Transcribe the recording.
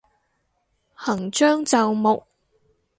行將就木